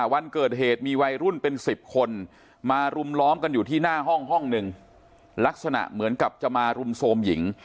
วันเกิดเหตุมีวัยรุ่นเป็นสิบคนมารุมล้อมกันอยู่ที่หน้าห้องห้องหนึ่ง